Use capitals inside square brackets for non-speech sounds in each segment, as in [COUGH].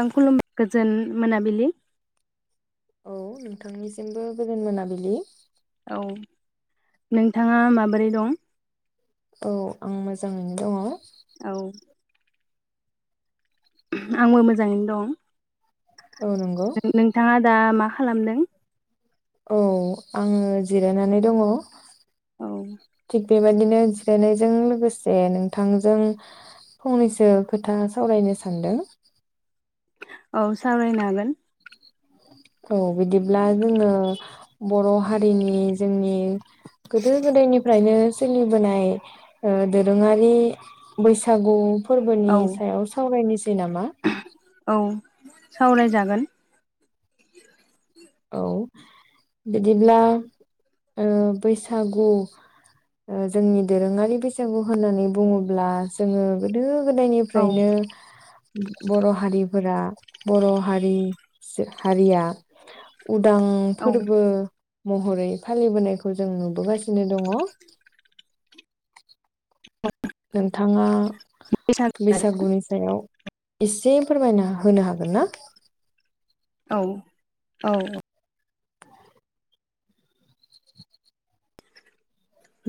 आं खुलुमबाय गोजोन मोनाबिलि। औ नोंथांनिसिमबो गोजोन मोनाबिलि। औ नोंथाङा माबोरै दं? औ आं मोजाङैनो दङ। औ आंबो मोजाङैनो दं। औ नंगौ नों नोंथाङा दा मा खालामदों। औ आङो जिरायनानै दङ। औ थिग बेबदिनो जिरायनायजों लोगोसे नोंथांजों फंनैसो खोथा सावरायनो सानदों। औ सावरायनो हागोन। औ बिदिब्ला जोङो बर' हारिनि जोंनि गोदो गोदायनिफ्रायनो सोलिबोनाय दोरोङारि बैसागु औ फोरबोनि सायाव सावरायनोसै नामा औ सावरायजागोन। औ बिदिब्ला बैसागु जोंनि दोरोङारि बैसागु होननानै बुङोब्ला जोङो गोदो औ गोदायनिफ्रायनो बर' हारिफोरा बर' हारि हारिया उदां औ फोरबो महरै फालिबोनायखौ जों नुबोगासिनो दङ। ब नोंथाङा आरो बैसागुनि सायाव एसे फोरमायना होनो हागोन ना। औ औ औ।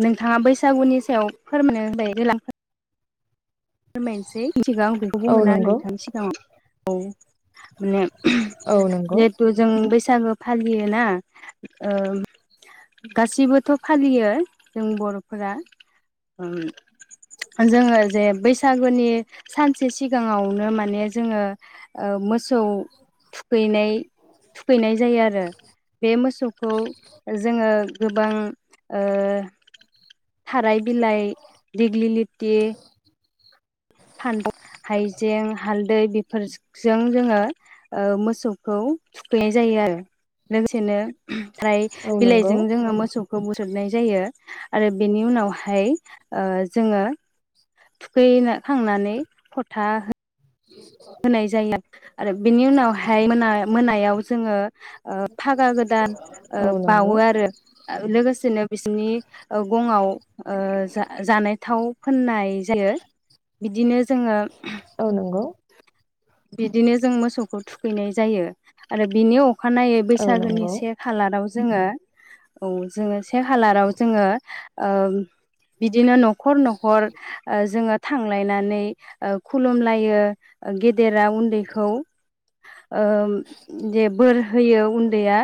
नोंथाङा बैसागुनि सायाव फोरमायनो [UNINTELLIGIBLE] फोरमायनोसेै [UNINTELLIGIBLE] सिगां बेखौ औ बुंगोन आरो नंगौ नोंथांनि सिगाङाव औ माने औ नंगौ जिहेथु जों बैसागु फालियोना ओ गासिबोथ' फालियो जों बर'फोरा जोंङो जे बै सागुनि सानसे सिगांङावनो माने जोंङो ओ मोसौ थुखैनाय थुखैनाय जायो आरो बे मोसौखौ जोंङो गोबां ओ थाराय बिलाइ दिग्लिलि टि [INAUDIBLE] फानथाव हाइजें हाल दै बेफोरजों जोंङो मोसौखौ थुखैनाय जायो आरो लोगोसेनो ओमफ्राय औ नंगौ बिलाइजों जोंङो मोसौ खौ बोसबनाय जायो आरो बेनि उनावहाय ओ जोंङो थुखै खांनानै फथा हो होनाय जायो आरो बेनि उनाव हाय मोना मोनायाव जोंङो ओ फागा गोदान ओ औ नंगौ बावो आरो लोगोसेनो बिसोरनि ओ गङआव ओ जा जानाय थाव फोननाय जायो बिदिनो जोंङो औ नंगौ बिद बिदिनो जों मोसौखौ थुखैनाय जायो आरो बिनि अखानायै औ बैसागोनि नंगौ से खालाराव जोंङो औ जोंङो से खालाराव जोंङो ओ बिद बिदिनो न'खर न'खर ओ जोंङो थांलायनानै ओ खुलुमलायो ओ गे गेदेरा उन्दैखौ ओ जे बोर होयो उन्दैया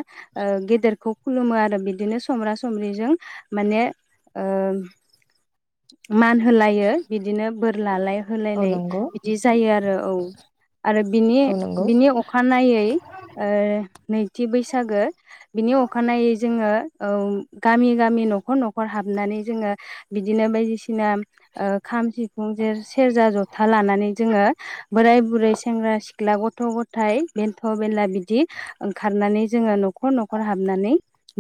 ओ गेदेरखौ खुलुमो आरो बिदिनो समब्रा समबिजों माने ओ मान होलायो बिदिनो बोर लालाय होलायलनाय बिदि जायो आरो आरो औ आरो बिनि औ नंगौ बिनि अखानायै ओ नैथि बैसागो बिनि अखानायै जोंङो औ गामि गामि न'खर न'खर हाबनानै जोंङो बिदिनो बायदिसिना ओ खाम सिफुं ज सेरजा जथा लानानै जोंङो बोराय बुरै सेंग्रा सिख्ला गथ' गथ थाय बेन्थ बेनला बिदि ओंखारनानै जोङो नखर नखर हाबनानै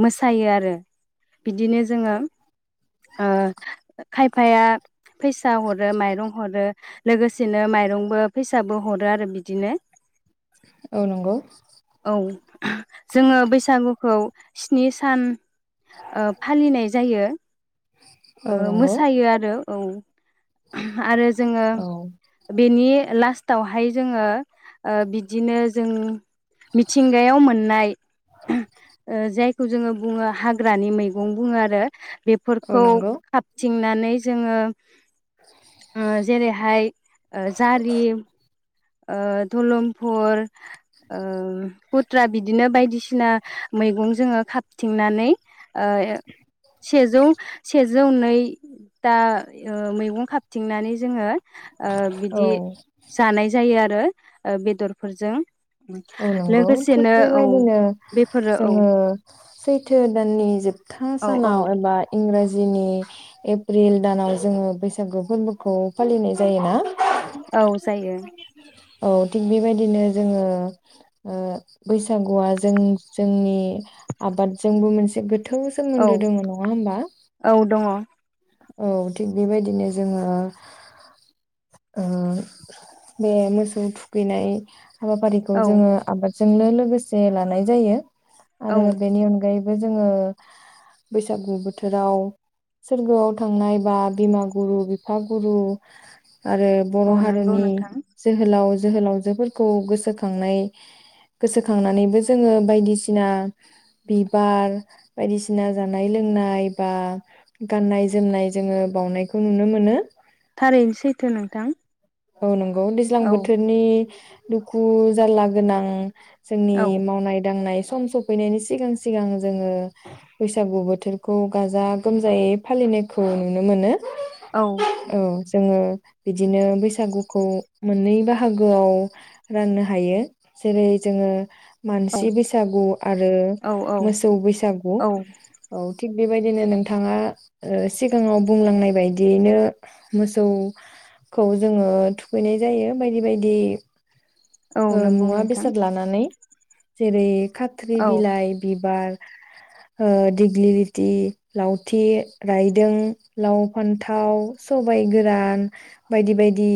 मोसायो आरो बिदिनो जोङो ओ खायफाया फैसा हरो माइरं हरो लोगोसेनो माइरं बो फैसाबो हरो आरो बिदिनो औ नंगौ औ जोङो बैसागुखौ स्नि सान ओ फालिनाय जायो औ ओ नंगौ मोसायो आरो औ आरो जोङो औ बेनि लास्टावहाय जोङो ओ बिदिनो जों मिथिंगायाव मोननाय ओ जायखौ जोङो बुङो हाग्रानि मैगं बुङो आरो औ बेफोरखौ नंगौ थिंनानै जोङो ओ जेरैहाय जारि ओ दलंफुर ओ कुथ्रा बिदिनो बायदि सिना मैगं जोङो खााबथिंनानै ओ ए सेजौ सेजौ नै दा ओ मैगं खाबथिंनानै जोङो ओ बिदि औ जानाय आरो ओ बेदरफोरजों औ नंगौ थिग लोगोसेनो औ बेबायदिनो बेफोरो औ जोङो सैथो दाननि जोबथा औ औ सानाव एबा इंराज जोंनि एप्रिल दानाव जोङो बैसागु फोरबोखौ फालिनाय जायोना औ जायो औ थिग बेबायदिनो जोङो ओ बैसागुआ जों जोंनि आबादजोंबो मोनस जोगोद थौ औ सोमोन्दो दङ नङा होमबा औ दङ औ थिग बेबायदिनो जोङो ओ बे मोसौ थुखैनाय हाबाफारिखौ औ जोङो आबाद जोंनो लोगोसे लानाय जायो औ आरो बेनि अनगायै जों बैागु बोथोराव सोरगोआव थांनाय बा बिमा गुरु बिफा गुरु आरो बर' औ नंगौ हारिनि नोंथां जोहोलाव जोहोलावजोफोरखौ गोसोखांनाय गोसोखांनानैबो जोङो बायदिसिना बिबार बायदिसिना जानाय लोंनाय बा गाननाय जोम जोमनाय जोङो बावनायखौ नुनो मोनो थारैनो सैथो नोंथां औ नं गोबाव दैज्लां औ बोथोरनि दुखु जाारला गोनां जोंनि औ मावनाय दांनाय सम सफैनायनि सिगां सिगां जोङो बैसागु बोथोरखौ गाजा गोमजायै फालिनाय खौ नुनो मोनो औ औ [UNINTELLIGIBLE] जोङो बिदिनो बैसागुखौ मोननै बाहागोआव राननो हायो जेरै जोङो औ मानसि बैसागु आरो औ औ मोसौ बैसागु औ औ थिग बेबायदिनो नोंथाङा ओ सिगाङाव बुंलांनाय बायदियैनो मोसौखौ जोङो थुखैनाय जायो बायदि बायदि औ नंगौ मुवा नोंथां बेसाद लानानै जेरै खाथ्रि औ बिलाइ बि ओ दिगलि लिथि लावथि राइ जों लाव फान्थाव सबाय गोरान बायदि बायदि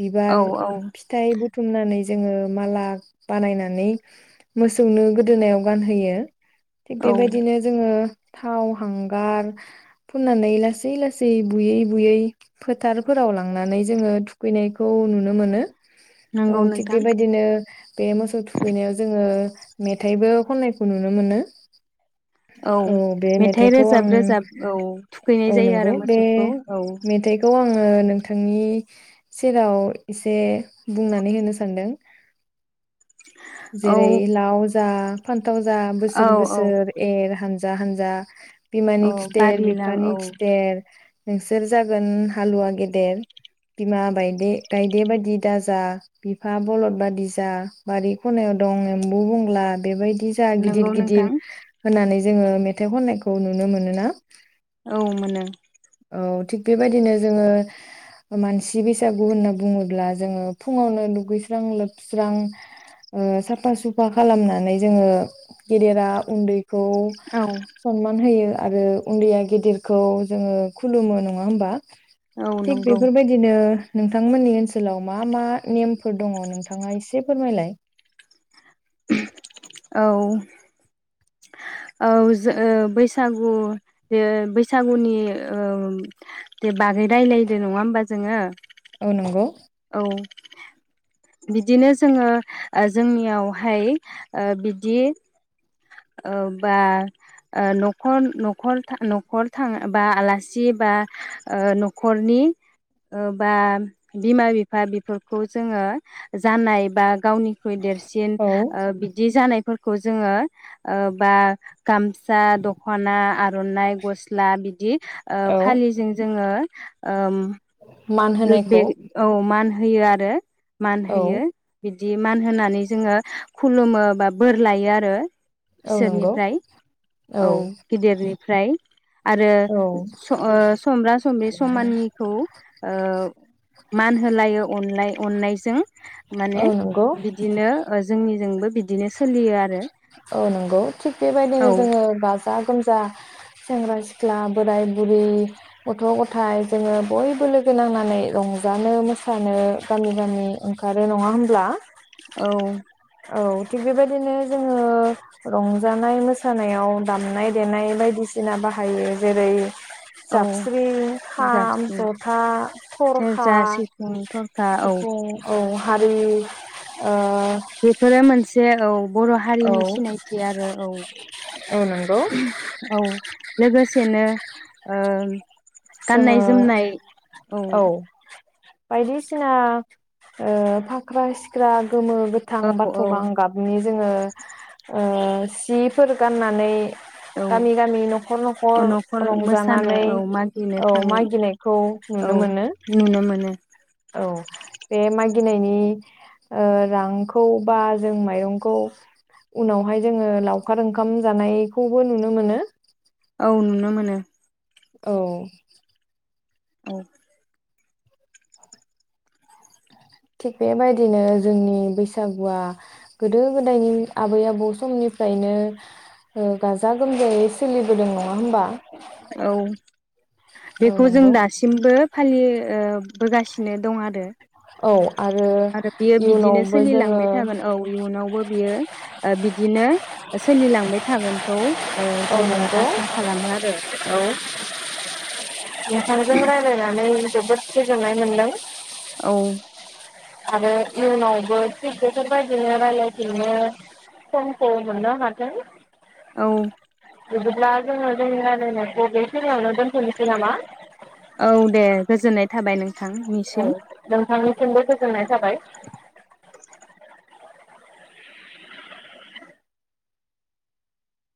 बिबार औ औ फिथाइबोथ बुथुमनानै जोङो माला बानायनानै मोसौनो गोदोनायाव गानहोयो। थिग औ बेबायदिनो जोङो थाव हांगार फुननानै लासै लासै बुयै बुयै फोथारफोराव लांनानै जोङो थुखैनायखौ नुनो मोनो। औ नंगौ थिग नोंथां बेबायदिनो बे मोसौ थुखैनायाव जोङो मेथाइबो खननायखौ नुनो मोनो। औ बे मेथाइ मेथाइखौ आं रोजाब रोजाब औ थुखैनाय औ जायो नंगौ आरो बे मोसौखौ औ मेथाइखौ आङो नोंथांनि सेराव एसे बुंनानै होनो सानदों औ जेरै लावजा लाव जा औ बोसोर औ बोसोर एर हान्जा जा हानजा औ बिमानि खिथेर बि बारिलां औ नि खिथेर नोंसोर जागोन हालुवा गेदेर बिमा बायदि गायदे बायदि दाजा बिफा बलद बादि जा बारि खनायाव दं एम्बु बंग्ला बेबायदि। जा गिदिर नंगौ गिदिर नोंथां होननानै जोङो मेथाइ खननायखौ नुनो मोनोना औ मोनो औ थिग बेबायदिनो जोङो मानसि बैसागु होनना बुङोब्ला जोङो फुङावनो दुगैस्रां लोबस्रां ओ साफा सुफा खालामनानै जोङो गेदेरा उन्दै खौ औ सनमान होयो। आरो उन्दैया गेदेरखौ जोङो खुलुमो नङा होमबा। औ थिग नंगौ बेफोरबायदिनो नोंथांमोननि ओनसोलाव मा मा नेमफोर दङ नोंथाङा एसे फोरमायलाय। औ। औ जो ओ बैसागु ओ बैसागुनि ओ बागै रायलायदों नङा होमबा जोङो औ नंगौ। औ बिदिनो जोङो जोंनियावहाय ओ बिदि ओ बा ओ न'खर नखर था न'खर थाङा बा आलासि बा ओ न'खरनि बा बिमा बिफा बेफोरखौ जोङो जानाय बा गावनिख्रुइ देरसिन औ बिदि जानाय फोरखौ जोङो ओ बा। गामसा दख'ना आर'नाइ गस्ला बिदि ओ औ फालिजों जोङो ओम। मान बे होनायखौ औ मान होयो आरो। मान औ होयो बि दि मान होनानै जोङो खुलुमो बा बोर लायो आरो। औ नंगौ बिसोरनिफ्राय औ गिदिरनिफ्राय आरो औ स ओ समब्रा सम्ब्रि समाननिखौ ओ मान होलायो अनलाय नाय अननायजों माने औ नंगौ बिदिनो जोंनि जोंबो बिदिनो सोलियो आरो। औ नंगौ थिग औ बेबायदिनो जोङो गाजा गोमजा सेंग्रा सिख्ला ख्ला बोराय बुरि गथ' गथाय जोङो बयबो लोगो नांनानै रंजानो मोसानो गामि गामि ओंखारो नङा होनोमब्ला औ। औ थिग बेबायदिनो जोङो रंजानाय मोसानायाव दामनाय देनाय बायदिसिना बाहायो जेरै औ जाबस्रि खाम जाबस्रिं ज'था ख'रखा सेरजा सिफुं थरखा औ सिफुं औ हा बे ओ बेफोरो मोनसे औ। बर' औ हारिनि सिनायथि आरो औ नंगौ औ लोगोसेनो ओ। जोङो गाननाय जोमनाय औ। बायदिसिना ओ फाख्रा सिख्रा गोमो गोथां औ बाथ' गां औ गाबनि जोङो ओ सिफोर गाननानै गामि गामि न'खर औ न'खर मोसानो रंजानानै मागिनो औ थाङो मागिनायखौ औ नुनो मोनो। नुनो मोनो औ बे मागिनायनि ओ रांखौ बा जों माइरंखौ उनावहाय जोङो लावखार ओंखाम जानायखौबो नुनो मोनो। औ नुनो मोनो। औ। औ। थिग बेबायदिनो जोंनि बैसागुआ गोदो गोदायनि आबै आबौ समनिफ्रायनो ओ गाजा गोमजायै सोलिबोदों नङा होमबा। औ औ बेखौ जों नंगौ दासिमबो फालि ओ बोगासिनो दं आरो। आरो बियो बिदिनो इयुनावबो जोङो सोलिलांबाय थागोन औ इयुनावबो बियो ओ बिदिनो ओ सोलिलांबाय थागोनखौ ओ औ जोङो नंगौ आसा खालामो आरो। औ। रांजों रायलायनानै जोबोद गोजोननाय मोन्दों। औ। आरो इयनावबो थिग बेफोरबायदिनो रायलायफिनो समखौ मोननो हाथों। औ। बिदिब्ला जोङो जोंनि रायलायनायखौ बेखिनियावनो दोनथ'नोसै नामा? औ दे गोजोननाय थाबाय नों औ नोंथांनि सिमबो गोजोननाय थाबाय।